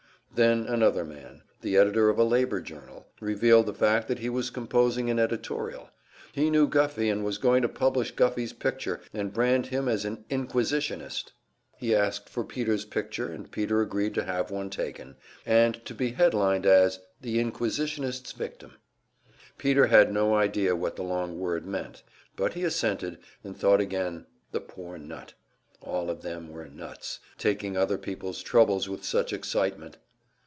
Then another man, the editor of a labor journal, revealed the fact that he was composing an editorial; he knew Guffey, and was going to publish Guffey's picture, and brand him as an "Inquisitionist." He asked for Peter's picture, and Peter agreed to have one taken, and to be headlined as "The Inquisitionist's Victim." Peter had no idea what the long word meant; but he assented, and thought again, "The poor nut!" All of them were "nuts" taking other people's troubles with such excitement!